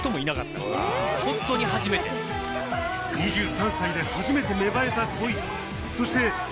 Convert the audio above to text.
２３歳で初めて芽生えた恋。